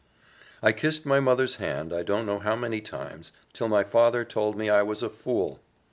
I kissed my mother's hand I don't know how many times, till my father told me I was a fool.